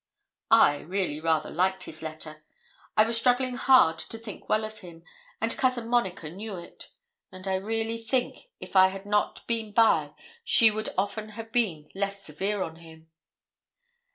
I really rather liked his letter. I was struggling hard to think well of him, and Cousin Monica knew it; and I really think if I had not been by, she would often have been less severe on him.